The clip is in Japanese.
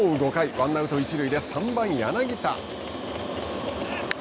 ワンアウト一塁で３番、柳田。